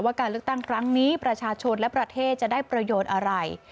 การเลือกตั้งครั้งนี้ประชาชนและประเทศจะได้ประโยชน์อะไร